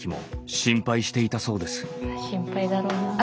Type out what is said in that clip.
心配だろうなあ。